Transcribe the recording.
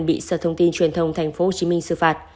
bị sở thông tin truyền thông tp hcm xử phạt